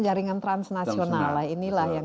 jaringan transnasional inilah yang